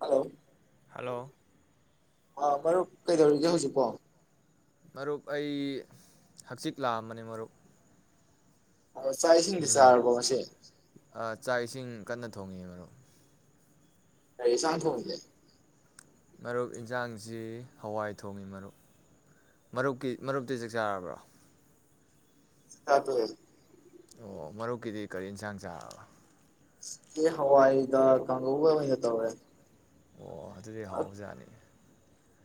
hello hello ꯑꯥ ꯃꯔꯨꯞ ꯀꯩꯗꯧꯔꯤꯒꯦ ꯍꯧꯖꯤꯛꯄꯣ ꯃꯔꯨꯞ ꯑꯩ ꯍꯛꯆꯤꯛ ꯂꯥꯛꯑꯝꯕꯅꯦ ꯃꯔꯨꯞ ꯑ ꯆꯥꯛ ꯏꯁꯤꯡꯗꯤ ꯅꯨꯃꯤꯗꯥꯡ ꯆꯥꯔꯕꯣ ꯉꯁꯤ ꯆꯥꯛ ꯏꯁꯤꯡ ꯀꯟꯅ ꯊꯣꯡꯉꯤ ꯃꯔꯨꯞ ꯀꯩ ꯑꯦꯟꯁꯥꯡ ꯊꯣꯉꯤꯒꯦ ꯃꯔꯨꯞ ꯏꯟꯁꯥꯡꯁꯤ ꯍꯋꯥꯏ ꯊꯣꯡꯉꯤ ꯃꯔꯨꯞ ꯃꯔꯨꯞꯀꯤ ꯃꯔꯨꯞꯇꯤ ꯆꯥꯛ ꯆꯥꯔꯕ꯭ꯔꯣ ꯆꯥꯛ ꯇꯣꯛꯑꯦ ꯑꯣ ꯃꯔꯨꯞꯀꯤꯗꯤ ꯀꯔꯤ ꯌꯦꯟꯁꯥꯡ ꯆꯥꯔꯕ ꯉꯁꯤꯗ ꯍꯋꯥꯏꯒ ꯀꯥꯡꯍꯧꯒ ꯑꯣꯏꯅ ꯇꯧꯔꯦ ꯑꯣ ꯑꯗꯨꯗꯤ ꯍꯥꯎꯕꯖꯥꯠꯅꯤꯅꯦ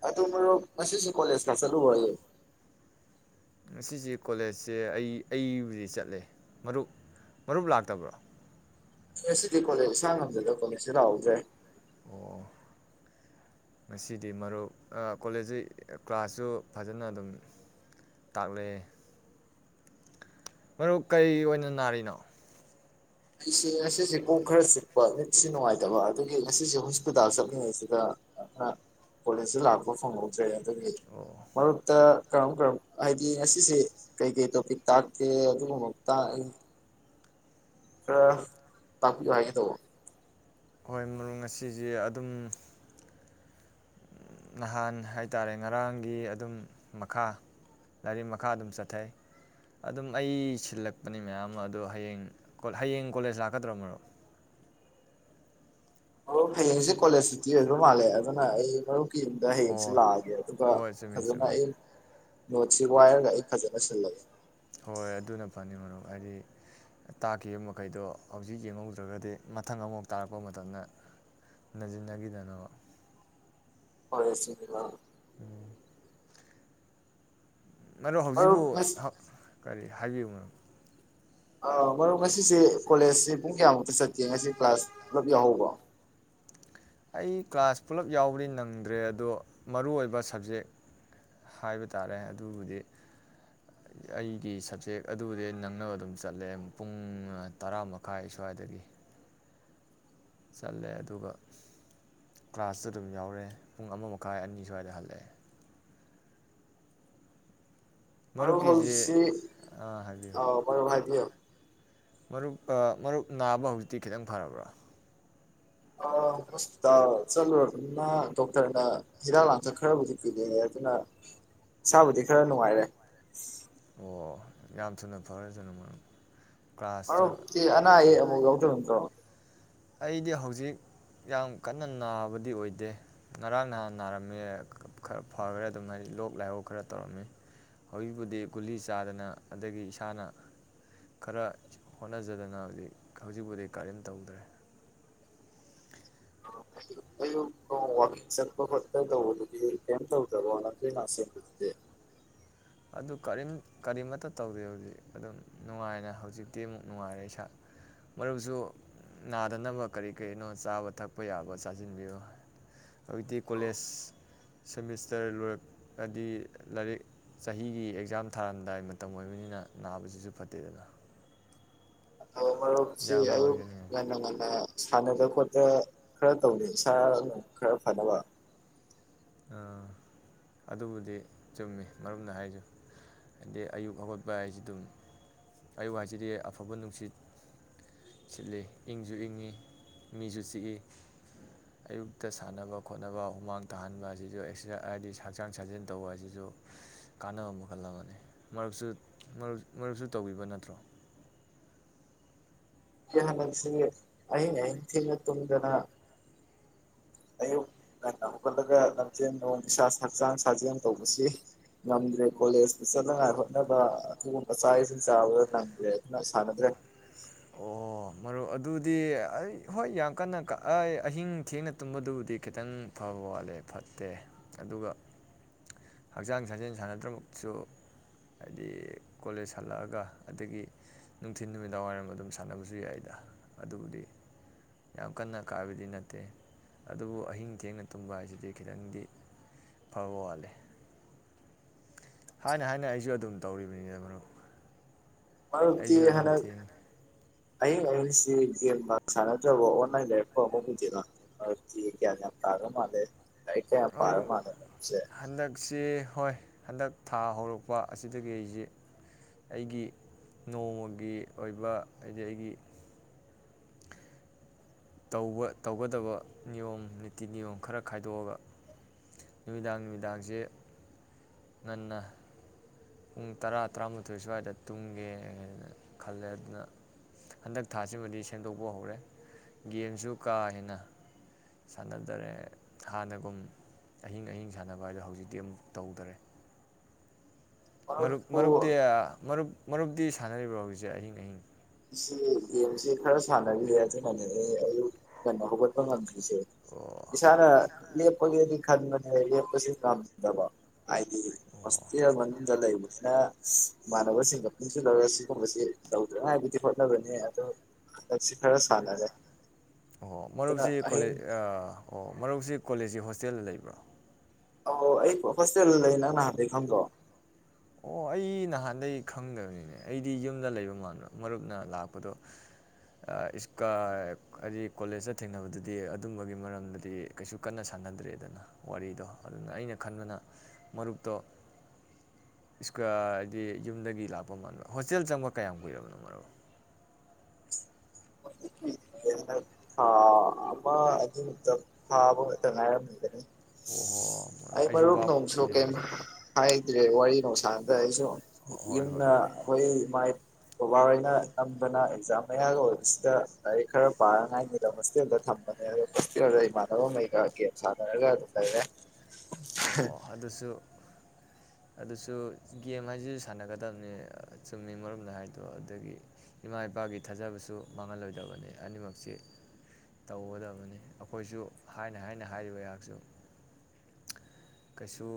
ꯑꯗꯣ ꯃꯔꯨꯞ ꯉꯁꯤꯁꯦ ꯀꯣꯂꯦꯖꯀ ꯆꯂꯨꯕ꯭ꯔꯣ ꯉꯁꯤꯁꯦ ꯀꯣꯂꯦꯖꯁꯦ ꯑꯩ ꯑꯩꯕꯨꯗꯤ ꯆꯠꯂꯦ ꯃꯔꯨꯞ ꯃꯔꯨꯞ ꯂꯥꯛꯇꯕ꯭ꯔꯣ ꯉꯁꯤꯗꯤ ꯀꯣꯂꯦꯖ ꯏꯁꯥꯉꯝꯗꯗꯅꯥ ꯀꯣꯂꯦꯖꯁꯤ ꯂꯥꯛꯍꯧꯗ꯭ꯔꯦ ꯑꯣ ꯉꯁꯤꯗꯤ ꯃꯔꯨꯞ ꯀꯣꯂꯦꯖꯁꯦ ꯀ꯭ꯂꯥꯁꯁꯨ ꯐꯖꯅ ꯑꯗꯨꯝ ꯇꯥꯛꯂꯛꯑꯦ ꯃꯔꯨꯞ ꯀꯩꯔ ꯑꯣꯏꯅ ꯅꯥꯔꯤꯅꯣ ꯑꯩꯁꯦ ꯉꯁꯤꯁꯦ ꯀꯣꯛ ꯈꯔ ꯆꯤꯛꯄ ꯃꯤꯠꯁꯤ ꯅꯨꯡꯉꯥꯏꯇꯕ ꯑꯗꯨꯒꯤ ꯉꯁꯤꯁꯦ ꯍꯣꯁꯄꯤꯇꯥꯜ ꯆꯠꯂꯤꯉꯩꯁꯤꯗ ꯀꯣꯂꯦꯖꯇ ꯂꯥꯛꯄ ꯐꯪꯍꯧꯗ꯭ꯔꯦ ꯑꯗꯒꯤ ꯑꯣ ꯃꯔꯨꯞꯇ ꯀꯔꯝ ꯀꯔꯝ ꯍꯥꯏꯗꯤ ꯉꯁꯤꯁꯦ ꯀꯩ ꯀꯩ ꯇꯣꯄꯤꯛ ꯇꯥꯛꯀꯦ ꯑꯗꯨꯒꯨꯝꯕ ꯇꯥꯡꯏ ꯑ ꯇꯥꯛꯄꯤꯌꯣ ꯍꯥꯏꯒꯦ ꯇꯧꯕ ꯍꯣꯏ ꯃꯪ ꯉꯁꯤꯖꯦ ꯑꯗꯨꯝ ꯅꯍꯥꯟ ꯍꯥꯏꯇꯥꯔꯦ ꯉꯔꯥꯡꯒꯤ ꯑꯗꯨꯝ ꯃꯈꯥ ꯂꯥꯏꯔꯤꯛ ꯃꯈꯥ ꯑꯗꯨꯝ ꯆꯠꯊꯩ ꯑꯗꯨꯝ ꯑꯩ ꯁꯤꯜꯂꯛꯄꯅꯤ ꯃꯌꯥꯝ ꯃꯥ ꯑꯗꯣ ꯍꯌꯦꯡ ꯍꯌꯦꯡ ꯀꯣꯂꯦꯖ ꯂꯥꯛꯀꯗ꯭ꯔ ꯃꯔꯨꯞ ꯑꯣ ꯍꯌꯦꯡꯁꯦ ꯀꯣꯂꯦꯖ ꯁꯨꯇꯤ ꯑꯣꯏꯕ ꯃꯥꯜꯂꯦ ꯑꯗꯨꯅ ꯑꯩ ꯃꯔꯨꯞ ꯀꯤꯟꯗ ꯍꯌꯦꯡꯁꯤ ꯑꯣ ꯂꯥꯛꯑꯒꯦ ꯑꯗꯨꯒ ꯍꯣꯏ ꯆꯨꯝꯃꯤ ꯐꯖꯅ ꯆꯨꯝꯃꯤ ꯑꯩ ꯅꯣꯠꯁꯤ ꯋꯥꯏꯌꯔꯒ ꯑꯩ ꯐꯖꯅ ꯁꯤꯜꯂꯒꯦ ꯍꯣꯏ ꯑꯗꯨꯅ ꯐꯅꯤ ꯃꯔꯨꯞ ꯍꯥꯏꯗꯤ ꯇꯥꯛꯈꯤꯕ ꯃꯈꯩꯗꯣ ꯍꯧꯖꯤꯛ ꯌꯦꯡꯍꯧꯗ꯭ꯔꯒꯗꯤ ꯃꯊꯪ ꯑꯃꯣꯛ ꯇꯥꯔꯛꯄ ꯃꯇꯝꯗ ꯅꯖꯤꯟꯅꯒꯤꯗꯅꯕ ꯍꯣꯏ ꯏꯁꯤ ꯎꯝ ꯃꯔꯨ ꯍꯧꯖꯤꯕꯨ ꯃꯔꯨꯞ ꯉꯁꯤ ꯍꯧ ꯀꯔꯤ ꯍꯥꯏꯕꯤꯌꯨ ꯃꯔꯨꯞ ꯑ ꯃꯔꯨꯞ ꯉꯁꯤꯁꯦ ꯀꯣꯂꯦꯖꯁꯤ ꯄꯨꯡ ꯀꯌꯥꯃꯨꯛꯇ ꯆꯠꯀꯦ ꯉꯁꯤ ꯀ꯭ꯂꯥꯁ ꯄꯨꯂꯞ ꯌꯥꯎꯍꯧꯕꯣ ꯑꯩ ꯀ꯭ꯂꯥꯁ ꯄꯨꯂꯞ ꯌꯥꯎꯕꯗꯤ ꯅꯪꯗ꯭ꯔꯦ ꯑꯗꯣ ꯃꯔꯨ ꯑꯣꯏꯕ ꯁꯕꯖꯦꯛ ꯍꯥꯏꯕ ꯇꯥꯔꯦ ꯑꯗꯨꯕꯨꯗꯤ ꯑꯩꯒꯤ ꯁꯕꯖꯦꯛ ꯑꯗꯨꯕꯨꯗꯤ ꯅꯪꯅꯕ ꯑꯗꯨꯝ ꯆꯠꯂꯦ ꯄꯨꯡ ꯇꯔꯥ ꯃꯈꯥꯏ ꯁ꯭ꯋꯥꯏꯗꯒꯤ ꯆꯠꯂꯦ ꯑꯗꯨꯒ ꯀ꯭ꯂꯥꯁꯁꯨ ꯑꯗꯨꯝ ꯌꯥꯎꯔꯦ ꯄꯨꯡ ꯑꯃ ꯃꯈꯥꯏ ꯑꯅꯤ ꯁ꯭ꯋꯥꯏꯗ ꯍꯜꯂꯑꯦ ꯃꯔꯨ ꯍꯧꯖꯤ ꯃꯔꯨꯞꯀꯤꯁꯦ ꯁꯦ ꯍꯥꯏꯕꯤꯌꯨ ꯑ ꯃꯔꯨ ꯍꯥꯏꯕꯤꯌꯣ ꯃꯔꯨꯞ ꯑ ꯃꯔꯨꯞ ꯅꯥꯕ ꯍꯧꯖꯤꯛꯇꯤ ꯈꯤꯇꯪ ꯐꯔꯕ꯭ꯔꯥ ꯑ ꯍꯣꯁꯄꯤꯇꯥꯜ ꯆꯠꯂꯨꯔꯕꯅꯤꯅ ꯗꯣꯛꯇꯔꯅ ꯍꯤꯗꯥꯛ ꯂꯥꯡꯊꯛ ꯈꯔꯕꯨꯗꯤ ꯀꯤꯔꯛꯑꯦ ꯑꯗꯨꯅ ꯏꯁꯥꯕꯨꯗꯤ ꯈꯔ ꯅꯨꯡꯉꯥꯏꯔꯦ ꯑꯣ ꯌꯥꯝ ꯊꯨꯅ ꯐꯔꯦ ꯊꯅ ꯃꯔꯝ ꯑꯔꯣꯞ ꯇꯤ ꯑꯅꯥ ꯑꯌꯦꯛ ꯑꯃꯨꯛ ꯌꯧꯗꯕ ꯅꯇ꯭ꯔꯣ ꯑꯩꯗꯤ ꯍꯧꯖꯤꯛ ꯌꯥꯝ ꯀꯟꯅ ꯅꯥꯕꯗꯤ ꯑꯣꯏꯗꯦ ꯉꯔꯥꯡ ꯅꯍꯥꯟ ꯅꯥꯔꯝꯃꯦ ꯈꯔ ꯐꯒꯔꯦ ꯑꯗꯨꯝ ꯍꯥꯏꯗꯤ ꯂꯣꯛ ꯂꯥꯏꯍꯣꯛ ꯈꯔ ꯇꯧꯔꯝꯃꯤ ꯍꯧꯖꯤꯛꯄꯨꯗꯤ ꯒꯨꯂꯤ ꯆꯥꯗꯅ ꯑꯗꯒꯤ ꯏꯁꯥꯅ ꯈꯔ ꯍꯣꯠꯅꯖꯗꯅ ꯍꯧꯖꯤꯛ ꯍꯧꯖꯤꯛꯄꯨꯗꯤ ꯀꯔꯤꯝ ꯇꯧꯗ꯭ꯔꯦ ꯑꯌꯨꯛꯇꯣ ꯋꯥꯀꯤꯡ ꯆꯠꯄ ꯐꯠꯇ ꯇꯧꯕꯗꯨꯗꯤ ꯀꯩꯏꯝ ꯇꯧꯗꯕꯣ ꯅꯠꯇꯅꯥꯁꯤ ꯑꯗꯨ ꯀꯔꯤꯝ ꯀꯔꯤꯃꯇ ꯇꯧꯗꯦ ꯍꯖꯤꯛ ꯑꯗꯨꯝ ꯅꯨꯡꯉꯥꯏꯅ ꯍꯧꯖꯤꯛꯇꯤ ꯑꯃꯨꯛ ꯅꯨꯡꯉꯥꯏꯔꯦ ꯏꯁꯥ ꯃꯔꯨꯞꯁꯨ ꯅꯥꯗꯅꯕ ꯀꯔꯤ ꯀꯔꯤꯅꯣ ꯆꯥꯕ ꯊꯛꯄ ꯌꯥꯕ ꯆꯥꯖꯤꯟꯕꯤꯌꯨ ꯍꯧꯏꯛꯇꯤ ꯀꯣꯂꯦꯖꯁ ꯁꯦꯃꯤꯁꯇꯔ ꯂꯣꯏꯔꯛ ꯑꯗꯤ ꯂꯥꯏꯔꯤꯛ ꯆꯍꯤꯒꯤ ꯑꯦꯛꯖꯥꯝ ꯊꯥꯔꯝꯗꯥꯏ ꯃꯇꯝ ꯑꯣꯏꯕꯅꯤꯅ ꯅꯥꯕꯁꯤꯁꯨ ꯐꯠꯇꯦꯗꯅ ꯃꯔꯨꯞꯁꯤ ꯌꯥꯝ ꯑꯌꯨꯛ ꯃꯥꯡꯖꯅꯤꯡꯉꯤ ꯉꯟꯅ ꯉꯟꯅ ꯁꯥꯟꯅꯗ ꯈꯣꯠꯇ ꯈꯔ ꯇꯧꯅꯤ ꯏꯁꯥꯅ ꯈꯔ ꯐꯅꯕ ꯑ ꯑꯗꯨꯕꯨꯗꯤ ꯆꯨꯝꯃꯤ ꯃꯔꯨꯞꯅ ꯍꯥꯏꯆꯨ ꯍꯥꯏꯗꯤ ꯑꯌꯨꯛ ꯍꯧꯒꯠꯄ ꯍꯥꯏꯁꯤ ꯗꯨꯝ ꯑꯌꯨꯛ ꯍꯥꯏꯁꯤꯗꯤ ꯑꯐꯕ ꯅꯨꯡꯁꯤꯠ ꯁꯤꯠꯂꯤ ꯏꯪꯖꯨ ꯏꯪꯉꯤ ꯃꯤꯁꯨ ꯆꯤꯛꯏ ꯑꯌꯨꯛꯇ ꯁꯥꯟꯅꯕ ꯈꯣꯠꯅꯕ ꯍꯨꯃꯥꯡ ꯇꯥꯍꯟꯕ ꯍꯥ ꯑꯁꯤꯁꯨ ꯑꯦꯛꯁꯔ ꯍꯥꯏꯗꯤ ꯍꯛꯆꯥꯡ ꯁꯥꯖꯦꯟ ꯇꯧꯕ ꯑꯁꯤꯁꯨ ꯀꯥꯟꯅꯕ ꯃꯈꯜ ꯑꯃꯅꯤ ꯃꯔꯁꯨ ꯃꯔ ꯃꯔꯨꯞꯁꯨ ꯇꯧꯕꯤꯕ ꯅꯠꯇ꯭ꯔꯣ ꯌꯥꯍꯂꯁꯤ ꯑꯍꯤꯡ ꯑꯍꯤꯡ ꯊꯦꯡꯅ ꯇꯨꯡꯗꯅ ꯑꯌꯨꯛ ꯉꯟꯅ ꯍꯧꯈꯠꯂꯒ ꯂꯝꯖꯦꯟ ꯅꯣꯟ ꯏꯁꯥ ꯍꯛꯆꯥꯡ ꯁꯥꯖꯦꯟ ꯇꯧꯕꯁꯤ ꯉꯝꯗ꯭ꯔꯦ ꯀꯣꯂꯦꯖꯆꯤ ꯆꯠꯅꯉꯥꯏ ꯍꯣꯠꯅꯕ ꯑꯗꯨꯒꯨꯝꯕ ꯆꯥꯛ ꯏꯁꯤꯡ ꯆꯥꯕꯗ ꯅꯪꯗ꯭ꯔꯦ ꯑꯗꯨꯅ ꯁꯥꯟꯅꯗ꯭ꯔꯦ ꯑꯣ ꯃꯔꯨꯞ ꯑꯗꯨꯗꯤ ꯑꯩ ꯍꯣꯏ ꯌꯥꯝ ꯀꯟꯅ ꯀ ꯑꯩ ꯑꯍꯤꯡ ꯊꯦꯡꯅ ꯇꯨꯝꯕꯗꯨꯕꯨꯗꯤ ꯈꯤꯇꯪ ꯐꯕ ꯋꯥꯠꯂꯦ ꯐꯠꯇꯦ ꯑꯗꯨꯒ ꯍꯛꯆꯥꯡ ꯁꯥꯖꯦꯟ ꯁꯥꯟꯅꯗ꯭ꯔꯃꯛꯁꯨ ꯍꯥꯏꯗꯤ ꯀꯣꯂꯦꯁ ꯍꯜꯂꯛꯑꯒ ꯑꯗꯒꯤ ꯅꯨꯡꯊꯤꯟ ꯅꯨꯃꯤꯗꯥꯡ ꯋꯥꯏꯔꯝ ꯑꯗꯨꯝ ꯁꯥꯟꯅꯕꯁꯨ ꯌꯥꯏꯗ ꯑꯗꯨꯕꯨꯗꯤ ꯌꯥꯝ ꯀꯟꯅ ꯀꯥꯏꯕꯗꯤ ꯅꯠꯇꯦ ꯑꯗꯨꯕꯨ ꯑꯍꯤꯡ ꯊꯦꯡꯅ ꯇꯨꯝꯕ ꯍꯥꯏꯁꯤꯗꯤ ꯈꯤꯗꯪꯗꯤ ꯐꯕ ꯋꯥꯠꯂꯦ ꯍꯥꯏꯅ ꯍꯥꯏꯅ ꯑꯩꯁꯨ ꯑꯗꯨꯝ ꯇꯧꯔꯤꯕꯅꯤꯗ ꯃꯔꯞ ꯃꯔꯨꯞꯇꯤ ꯍꯅꯛ ꯑꯍꯥꯡ ꯑꯏꯡ ꯁꯤ ꯒꯦꯝ ꯕꯥꯛ ꯁꯅ ꯗꯕꯣ ꯑꯣꯟꯂꯥꯏꯟ ꯂꯩꯔꯛꯄꯔꯣ ꯀꯃꯣꯛ ꯎꯗꯦꯅ ꯑꯛꯇꯤ ꯒꯌꯥꯟ ꯌꯥꯝ ꯇꯥꯒꯔ ꯃꯥꯂꯦ ꯑꯩ ꯍꯟꯗꯛꯁꯤ ꯍꯣꯏ ꯍꯟꯗꯛ ꯊꯥ ꯍꯧꯔꯛꯄ ꯑꯁꯤꯗꯒꯤ ꯑꯩꯁꯦ ꯑꯩꯒꯤ ꯅꯣꯡꯃꯒꯤ ꯑꯣꯏꯕ ꯍꯥꯏꯗꯤ ꯑꯩꯒꯤ ꯇꯧꯕ ꯇꯧꯒꯗꯕ ꯅꯤꯌꯣꯝ ꯅꯤꯇꯤ ꯅꯤꯌꯣꯝ ꯈꯔ ꯈꯥꯏꯗꯣꯛꯑꯒ ꯅꯨꯃꯤꯗꯥꯡ ꯅꯨꯃꯤꯗꯥꯡꯁꯦ ꯉꯟꯅ ꯄꯨꯡ ꯇꯔꯥ ꯇꯔꯥꯃꯥꯊꯣꯏ ꯁ꯭ꯋꯥꯏꯗ ꯇꯨꯝꯒꯦꯅ ꯈꯜꯂꯦ ꯑꯗꯨꯅ ꯍꯟꯗꯛ ꯊꯥꯁꯤꯃꯗꯤ ꯁꯦꯝꯗꯣꯛꯄ ꯍꯧꯔꯦ ꯒꯦꯝꯁꯨ ꯀꯥ ꯍꯦꯟꯅ ꯁꯥꯟꯅꯗꯔꯦ ꯍꯥꯟꯅꯒꯨꯝ ꯑꯍꯤꯡ ꯑꯍꯤꯡ ꯁꯥꯟꯅꯕ ꯍꯥꯏꯗꯣ ꯍꯧꯖꯤꯛꯇꯤ ꯑꯃꯨꯛ ꯇꯧꯗꯔꯦ ꯃꯔꯨꯞ ꯃꯔꯨꯞꯄꯨ ꯃꯔꯨꯞꯇꯤ ꯃꯔꯨꯞ ꯃꯔꯨꯞꯇꯤ ꯁꯥꯟꯅꯔꯤꯕꯣ ꯍꯧꯖꯤꯛꯁꯦ ꯑꯍꯤꯡ ꯑꯍꯤꯡ ꯑꯩꯁꯤ ꯒꯦꯝꯁꯦ ꯈꯔ ꯁꯥꯟꯅꯔꯤꯌꯦ ꯑꯗꯨꯅꯅꯦ ꯑꯩ ꯑꯌꯨꯛ ꯉꯟꯅ ꯍꯧꯒꯠꯄ ꯉꯝꯗꯦ ꯁꯦ ꯑꯣ ꯏꯁꯥꯅ ꯂꯦꯞꯄꯒꯦꯗꯤ ꯈꯟꯕꯅꯦ ꯂꯦꯞꯄꯁꯦ ꯉꯝꯗꯕ ꯍꯥꯏꯗꯤ ꯑꯣ ꯍꯣꯁꯇꯦꯜ ꯃꯅꯨꯡꯗ ꯂꯩꯕꯅꯤꯅ ꯩꯅ ꯏꯃꯥꯟꯅꯕꯁꯤꯡꯒ ꯄꯨꯟꯁꯤꯜꯂꯒ ꯁꯤꯒꯨꯝꯕꯁꯤ ꯇꯧꯗ꯭ꯔ ꯍꯥꯏꯗꯤ ꯍꯣꯠꯅꯕꯅꯦ ꯑꯗꯣ ꯍꯟꯗꯛꯁꯤ ꯈꯔ ꯁꯥꯟꯅꯔꯦ ꯑꯣ ꯑꯗꯨꯅ ꯃꯔꯨꯞꯁꯤ ꯑꯍꯤꯡ ꯀꯣꯂꯦꯖ ꯑꯥ ꯑꯣ ꯃꯔꯨꯞꯁꯤ ꯀꯣꯂꯦꯖꯀꯤ ꯍꯣꯁꯇꯦꯜꯗ ꯂꯩꯕ꯭ꯔꯣ ꯑꯧ ꯑꯩ ꯍꯣꯁꯇꯦꯜꯗ ꯂꯩ ꯅꯪ ꯅꯍꯥꯟꯈꯩ ꯈꯪꯗꯔ꯭ꫭ ꯑꯣ ꯑꯩ ꯅꯍꯥꯟꯗꯩ ꯈꯪꯗꯕꯅꯤꯅꯦ ꯑꯩꯗꯤ ꯌꯨꯝꯗ ꯂꯩꯕ ꯃꯥꯟꯕ ꯃꯔꯨꯞꯅ ꯂꯥꯛꯄꯗꯣ ꯍꯥꯏꯗꯤ ꯀꯣꯂꯦꯖꯇ ꯊꯦꯡꯅꯕꯗꯨꯗꯤ ꯑꯗꯨꯝꯕꯒꯤ ꯃꯔꯝꯗꯗꯤ ꯀꯩꯁꯨ ꯀꯟꯅ ꯁꯥꯟꯅꯗ꯭ꯔꯦꯗꯅ ꯋꯥꯔꯤꯗꯣ ꯑꯗꯨꯅ ꯑꯩꯅ ꯈꯟꯕꯅ ꯃꯔꯨꯞꯇꯣ [unintelligible] ꯍꯥꯏꯗꯤ ꯌꯨꯝꯗꯒꯤ ꯂꯥꯛꯄ ꯃꯥꯟꯕ ꯍꯣꯁꯇꯦꯜ ꯆꯪꯕ ꯀꯌꯥꯝ ꯀꯨꯏꯔꯕꯅꯣ ꯃꯔꯨꯞ ꯊꯥ ꯑꯃ ꯑꯅꯤꯃꯨꯛꯇꯪ ꯐꯥꯕꯗ ꯉꯥꯢꯔꯝꯈꯤꯒꯅꯤ ꯑꯣꯍꯣ ꯑꯩ ꯑꯩꯁꯨ ꯃꯔꯨꯞ ꯚꯥꯞ ꯅꯣꯡꯁꯨ ꯀꯩꯝ ꯑꯣꯏꯁꯤꯟꯗꯕ ꯍꯥꯏꯗ꯭ꯔꯦ ꯋꯥꯔꯤ ꯅꯨꯡ ꯁꯥꯅꯗ ꯑꯩꯁꯨ ꯍꯣꯏ ꯍꯣꯏ ꯌꯨꯝꯗ ꯍꯣꯏ ꯑꯩꯈꯣꯏ ꯃꯥꯏ ꯕꯥꯕꯥꯍꯣꯏꯅ ꯅꯝꯗꯅ ꯑꯦꯛꯖꯥꯝ ꯃꯌꯥꯒ ꯑꯣꯏꯕꯁꯤꯗ ꯂꯥꯏꯔꯤꯛ ꯈꯔ ꯄꯥꯅꯉꯥꯏꯅꯤꯗ ꯍꯣꯁꯇꯦꯜꯗ ꯊꯝꯕꯅꯦ ꯑꯗꯣ ꯍꯣꯁꯇꯦꯜꯗ ꯏꯃꯥꯟꯅꯕꯉꯩꯒ ꯒꯦꯝ ꯁꯥꯟꯅꯔꯒ ꯑꯗꯨꯝ ꯂꯩꯔꯦ ꯑꯣꯍꯣ ꯑꯗꯨꯁꯨ ꯑꯗꯨꯁꯨ ꯒꯦꯝ ꯍꯥꯏꯁꯤꯁꯨ ꯁꯥꯟꯅꯒꯗꯕꯅꯤ ꯆꯨꯝꯃꯤ ꯃꯔꯨꯞꯅ ꯍꯥꯏꯗꯣ ꯑꯗꯒꯤ ꯏꯃꯥ ꯏꯄꯥꯒꯤ ꯊꯥꯖꯕꯁꯨ ꯃꯥꯡꯍꯜꯂꯣꯏꯗꯕꯅꯤ ꯑꯅꯤꯃꯛꯁꯤ ꯇꯧꯒꯗꯕꯅꯤ ꯑꯩꯈꯣꯏꯁꯨ ꯍꯥꯏꯅ ꯍꯥꯏꯅ ꯍꯥꯏꯔꯤꯕ ꯑꯩꯍꯥꯛꯁꯨ ꯀꯩꯁꯨ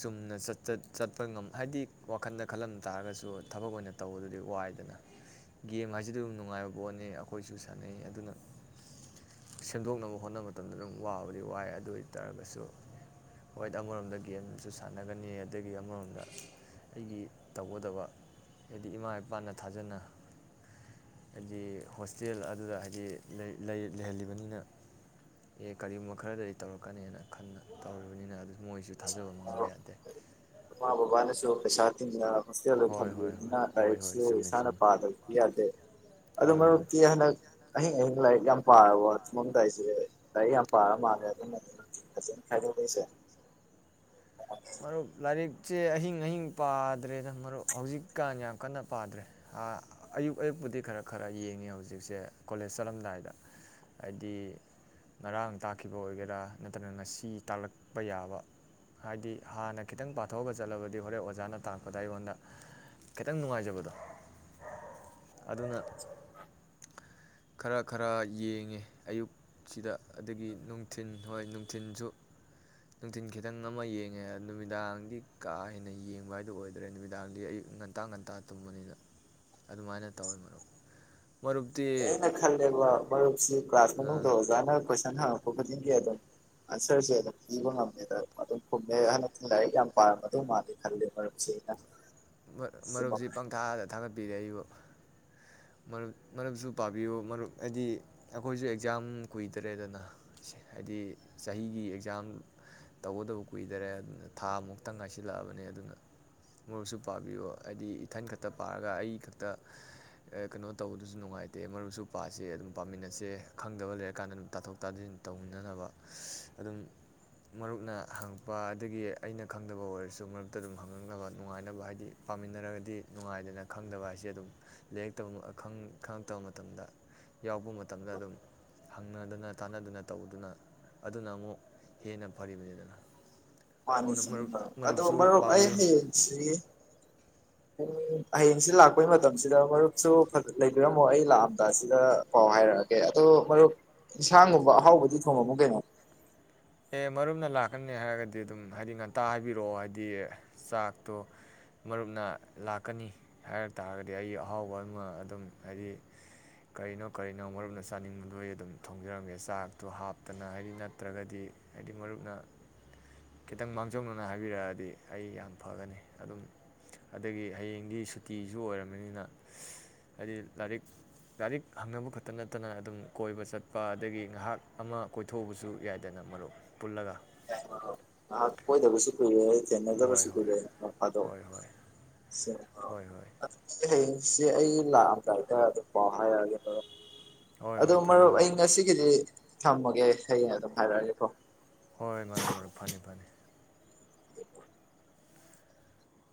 ꯆꯨꯝꯅ ꯆꯠ ꯆꯠ ꯆꯠꯄ ꯉꯝ ꯍꯥꯏꯗꯤ ꯋꯥꯈꯜꯗ ꯈꯜꯂꯝ ꯇꯥꯔꯒꯁꯨ ꯊꯕꯛ ꯑꯣꯏꯅ ꯇꯧꯕꯗꯗꯤ ꯋꯥꯏꯗꯅ ꯒꯦꯝ ꯍꯥꯏꯁꯤꯗꯤ ꯑꯗꯨꯝ ꯅꯨꯡꯉꯥꯏꯕ ꯄꯣꯠꯅꯤ ꯑꯩꯈꯣꯏꯁꯨ ꯁꯥꯟꯅꯩ ꯑꯗꯨꯅ ꯁꯦꯝꯗꯣꯛꯅꯕ ꯍꯣꯠꯅꯕ ꯃꯇꯝꯗ ꯑꯗꯨꯝ ꯋꯥꯕꯗꯤ ꯋꯥꯏ ꯑꯗꯨ ꯑꯣꯏ ꯇꯥꯔꯒꯁꯨ ꯍꯣꯏꯠ ꯑꯃꯔꯣꯝꯗ ꯒꯦꯝꯁꯨ ꯁꯥꯟꯅꯒꯅꯤ ꯑꯗꯒꯤ ꯑꯃꯔꯣꯝꯗ ꯑꯩꯒꯤ ꯇꯧꯒꯗꯕ ꯍꯥꯏꯗꯤ ꯏꯃꯥ ꯏꯄꯥꯅ ꯊꯥꯖꯅ ꯍꯥꯏꯗꯤ ꯍꯣꯁꯇꯦꯜ ꯑꯗꯨꯗ ꯍꯥꯏꯗꯤ ꯂꯩ ꯂꯩ ꯂꯩꯍꯜꯂꯤꯕꯅꯤꯅ ꯑꯦ ꯀꯔꯤꯒꯨꯝꯕ ꯈꯔꯗꯗꯤ ꯇꯧꯔꯛꯀꯅꯤꯅ ꯈꯟꯅ ꯇꯧꯔꯤꯕꯅꯤꯅ ꯑꯗꯨ ꯃꯣꯏꯁꯨ ꯊꯥꯖꯕ ꯃꯥꯡꯍꯟꯕ ꯌꯥꯗꯦ ꯃꯃꯥ ꯕꯕꯥꯅꯁꯨ ꯄꯩꯁꯥ ꯇꯤꯡꯅ ꯍꯣꯁꯇꯦꯜꯗ ꯍꯣꯏ ꯍꯣꯏ ꯍꯣꯏ ꯊꯝꯕꯤꯕꯅꯤꯅ ꯍꯣꯏ ꯍꯣꯏ ꯂꯥꯏꯔꯤꯛꯁꯨ ꯆꯨꯝꯃꯤ ꯏꯁꯥꯅ ꯆꯨꯝꯃꯤ ꯄꯥꯗꯕꯗꯤ ꯌꯥꯗꯦ ꯑꯗꯨ ꯍꯣꯏ ꯍꯣꯏ ꯃꯔꯨꯞꯇꯤ ꯍꯟꯗꯛ ꯑꯍꯤꯡ ꯑꯍꯤꯡ ꯂꯥꯏꯔꯤꯛ ꯌꯥꯝ ꯄꯥꯔꯕꯣ ꯇꯨꯃꯝꯗꯥꯏꯁꯦ ꯂꯥꯏꯔꯤꯛ ꯌꯥꯝ ꯄꯥꯔ ꯃꯥꯜꯂꯦ ꯑꯗꯨꯅ ꯐꯖꯅ [unintelligible] ꯃꯔꯨꯞ ꯂꯥꯏꯔꯤꯛ ꯁꯦ ꯑꯍꯤꯡ ꯑꯍꯤꯡ ꯄꯥꯗ꯭ꯔꯦꯗ ꯃꯔꯨꯞ ꯍꯧꯖꯤꯛꯀꯥꯟ ꯌꯥꯝ ꯀꯟꯅ ꯄꯥꯗ꯭ꯔꯦ ꯑꯌꯨꯛ ꯑꯌꯨꯛꯄꯨꯗꯤ ꯈꯔ ꯈꯔ ꯌꯦꯡꯉꯤ ꯍꯧꯖꯤꯛꯁꯦ ꯀꯣꯂꯦꯖ ꯆꯠꯂꯝꯗꯥꯏꯗ ꯍꯥꯏꯗꯤ ꯉꯔꯥꯡ ꯇꯥꯛꯈꯤꯕ ꯑꯣꯏꯒꯦꯔꯥ ꯅꯠꯇ꯭ꯔꯒ ꯉꯁꯤ ꯇꯥꯛꯂꯛꯄ ꯌꯥꯕ ꯍꯥꯏꯗꯤ ꯍꯥꯟꯅ ꯈꯤꯇꯪ ꯄꯥꯊꯣꯛꯑꯒ ꯆꯠꯂꯕꯗꯤ ꯍꯣꯔꯦꯟ ꯑꯣꯖꯥꯅ ꯇꯥꯛꯄꯗ ꯑꯩꯉꯣꯟꯗ ꯈꯤꯇꯪ ꯅꯨꯡꯉꯥꯏꯖꯕꯗꯣ ꯑꯗꯨꯅ ꯈꯔ ꯈꯔ ꯌꯦꯡꯉꯦ ꯑꯌꯨꯛꯁꯤꯗ ꯑꯗꯒꯤ ꯅꯨꯡꯊꯤꯟ ꯍꯣꯏ ꯅꯨꯡꯊꯤꯟꯁꯨ ꯅꯨꯡꯊꯤꯟ ꯈꯤꯇꯪ ꯑꯃ ꯌꯦꯡꯉꯦ ꯅꯨꯃꯤꯗꯥꯡꯗꯤ ꯀꯥ ꯍꯦꯟꯅ ꯌꯦꯡꯕ ꯍꯥꯏꯗꯨ ꯑꯣꯏꯗ꯭ꯔꯦ ꯅꯨꯃꯤꯗꯥꯡꯗꯤ ꯑꯌꯨꯛ ꯉꯟꯇꯥ ꯉꯟꯇꯥ ꯇꯨꯝꯕꯅꯤꯅ ꯑꯗꯨꯃꯥꯏꯅ ꯇꯧꯋꯦ ꯃꯔꯨꯞ ꯃꯔꯨꯞꯇꯤ ꯑꯦ ꯑꯩꯅ ꯈꯜꯂꯦꯕ ꯃꯔꯨꯞꯁꯤ ꯀ꯭ꯂꯥꯁ ꯃꯅꯨꯡꯗ ꯑꯣꯖꯥꯅ ꯀꯣꯏꯁꯟ ꯍꯪꯉꯛꯞ ꯄ ꯈꯨꯗꯤꯡꯒꯤ ꯑꯗꯨꯝ ꯑꯟꯁꯔꯁꯦ ꯑꯗꯨꯝ ꯏꯕ ꯉꯝꯃꯦꯅ ꯑꯗꯨꯝ ꯈꯨꯝꯃꯦ ꯑꯁ ꯍꯟꯗꯛꯇꯤ ꯂꯥꯏꯔꯤꯛ ꯌꯥꯝ ꯄꯝꯔꯝꯃꯗꯧ ꯃꯥꯜꯂꯤ ꯈꯜꯂꯦ ꯃꯔꯨꯞ ꯃꯔꯨꯞꯁꯤ ꯄꯪꯊꯥꯗ ꯊꯥꯒꯠ ꯄꯤꯔꯦ ꯑꯩꯕꯨ ꯨ ꯃꯔꯨꯞꯁꯨ ꯄꯥꯕꯤꯌꯨ ꯃꯔꯨꯞ ꯍꯥꯏꯗꯤ ꯑꯩꯈꯣꯏꯁꯨ ꯑꯦꯛꯖꯥꯝ ꯀꯨꯏꯗꯔꯦꯗꯅ ꯍꯥꯏꯗꯤ ꯆꯍꯤꯒꯤ ꯑꯦꯛꯖꯥꯝ ꯇꯧꯒꯗꯕ ꯀꯨꯏꯗꯔꯦ ꯊꯥ ꯃꯨꯛꯇ ꯉꯥꯏꯁꯤꯜꯂꯛꯑꯕꯅꯤ ꯑꯗꯨꯅ ꯃꯔꯨꯞꯁꯨ ꯄꯥꯕꯤꯌꯨ ꯍꯥꯏꯗꯤ ꯏꯊꯟ ꯈꯛꯇ ꯄꯥꯔꯒ ꯑꯩ ꯈꯛꯇ ꯀꯩꯅꯣ ꯇꯧꯕꯗꯨꯁꯨ ꯅꯨꯡꯉꯥꯏꯇꯦ ꯃꯔꯨꯞꯁꯨ ꯄꯁꯦ ꯑꯗꯨꯝ ꯄꯥꯃꯤꯟꯅꯁꯦ ꯈꯪꯗꯕ ꯂꯩꯔꯀꯥꯟꯗ ꯑꯗꯨꯝ ꯇꯥꯊꯣꯛ ꯇꯥꯁꯤꯟ ꯇꯧꯅꯅꯕ ꯑꯗꯨꯝ ꯃꯔꯨꯞꯅ ꯍꯪꯉꯛꯄ ꯑꯗꯒꯤ ꯑꯩꯅ ꯈꯪꯗꯕ ꯑꯣꯏꯔꯁꯨ ꯃꯔꯨꯞꯇ ꯑꯗꯨꯝ ꯍꯪꯉꯛꯅꯕ ꯅꯨꯡꯉꯥꯏꯅꯕ ꯍꯥꯏꯗꯤ ꯄꯥꯃꯤꯟꯅꯔꯒꯗꯤ ꯅꯨꯡꯉꯥꯏꯗꯅ ꯈꯪꯗꯕ ꯍꯥꯏꯁꯦ ꯑꯗꯨꯝ ꯂꯩꯔꯤꯛ ꯇꯧꯕ ꯈꯪꯪꯂꯛꯇꯕ ꯃꯇꯝꯗ ꯌꯥꯎꯔꯛꯄ ꯃꯇꯝꯗ ꯑꯗꯨꯝ ꯍꯪꯅꯗꯅ ꯇꯥꯟꯅꯗꯅ ꯇꯧꯗꯨꯅ ꯑꯗꯨꯅ ꯑꯃꯨꯛ ꯍꯦꯟꯅ ꯐꯔꯤꯕꯅꯤꯗꯅ ꯑꯗꯨꯅ ꯃꯥꯅꯤꯁꯤꯅꯤ ꯃꯔꯨꯞ ꯑꯗꯣ ꯃꯔꯨꯞꯁꯨ ꯃꯔꯨꯞ ꯑꯩ ꯄꯥꯕꯤꯌꯨ ꯍꯥꯌꯦꯡꯁꯤ ꯑꯩ ꯁꯤ ꯂꯥꯛꯄꯩ ꯃꯇꯝꯁꯤꯗ ꯃꯔꯨꯞꯁꯨ ꯂꯩꯕꯤꯔꯝꯃꯣ ꯑꯩ ꯂꯥꯛꯑꯝꯗꯥ ꯁꯤꯗ ꯄꯥꯎ ꯍꯥꯏꯔꯛꯑꯒꯦ ꯑꯗꯣ ꯃꯔꯨꯞ ꯏꯟꯁꯥꯡꯒꯨꯝꯕ ꯑꯍꯥꯎꯕꯗꯤ ꯊꯣꯡꯉꯝꯃꯣ ꯀꯩꯅꯣ ꯑꯦ ꯃꯔꯨꯞꯅ ꯂꯥꯛꯀꯅꯤ ꯍꯥꯏꯔꯒꯗꯤ ꯑꯗꯨꯝ ꯍꯥꯏꯗꯤ ꯉꯟꯇꯥ ꯍꯥꯏꯕꯤꯔꯛꯑꯣ ꯍꯥꯏꯗꯤ ꯆꯥꯛꯇꯣ ꯃꯔꯨꯞꯅ ꯂꯥꯛꯀꯅꯤ ꯍꯥꯏꯔ ꯇꯥꯔꯒꯗꯤ ꯑꯩꯒꯤ ꯑꯍꯥꯎꯕ ꯑꯃ ꯑꯗꯨꯝ ꯍꯥꯏꯗꯤ ꯀꯔꯤꯅꯣ ꯀꯔꯤꯅꯣ ꯃꯔꯨꯞꯅ ꯆꯥꯅꯤꯡꯕꯗ ꯑꯩ ꯑꯗꯨꯝ ꯊꯣꯡꯖꯔꯝꯒꯦ ꯆꯥꯛꯇꯣ ꯍꯥꯞꯇꯅ ꯍꯥꯏꯗꯤ ꯅꯠꯇ꯭ꯔꯒꯗꯤ ꯍꯥꯏꯗꯤ ꯃꯔꯨꯞꯅ ꯈꯤꯇꯪ ꯃꯥꯡꯖꯧꯅꯅ ꯍꯥꯏꯕꯤꯔꯛꯑꯗꯤ ꯑꯩ ꯌꯥꯝ ꯐꯒꯅꯤ ꯑꯗꯨꯝ ꯑꯗꯒꯤ ꯍꯌꯦꯡꯗꯤ ꯁꯨꯇꯤꯁꯨ ꯑꯣꯏꯔꯕꯔꯕꯅꯤꯅ ꯍꯥꯏꯗꯤ ꯂꯥꯏꯔꯤꯛ ꯂꯥꯏꯔꯤꯛ ꯍꯪꯅꯕ ꯈꯛꯇ ꯅꯠꯇꯅ ꯑꯗꯨꯝ ꯀꯣꯏꯕ ꯆꯠꯄ ꯑꯗꯒꯤ ꯉꯥꯏꯍꯥꯛ ꯑꯃ ꯀꯣꯏꯊꯣꯛꯎꯕꯁꯨ ꯌꯥꯏꯗꯅ ꯃꯔꯨꯞ ꯄꯨꯜꯂꯒ ꯉꯍꯛ ꯀꯣꯏꯗꯕꯁꯨ ꯀꯨꯏꯔꯦ ꯑꯩ ꯆꯦꯟꯅꯗꯕ ꯍꯣꯏ ꯁꯨꯇꯤ ꯍꯣꯏ ꯂꯩꯔꯦ ꯅꯣꯡ ꯐꯗꯣꯛ ꯍꯣꯏ ꯍꯣꯏ ꯁꯦꯟ ꯍꯣꯏ ꯍꯣꯏ ꯑꯩꯁꯦ ꯑꯩ ꯂꯥꯛꯑꯝꯗꯥꯇꯥꯔ ꯑꯗꯨꯝ ꯄꯥꯎ ꯍꯥꯏꯔꯛꯑꯒꯦ ꯍꯣꯏ ꯑꯗꯣ ꯍꯣꯏ ꯐꯅꯤ ꯃꯔꯨꯞ ꯑꯩ ꯉꯁꯤꯒꯤꯗꯤ ꯊꯝꯃꯒꯦ ꯍꯌꯦꯡ ꯑꯗꯨꯝ ꯍꯥꯏꯔꯛꯑꯒꯦ ꯀꯣ ꯍꯣꯏ ꯃꯔꯨꯞ ꯃꯔꯨꯞ ꯐꯅꯤ ꯐꯅꯤ